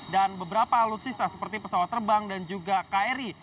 dan beberapa alutsista seperti pesawat terbang dan juga kri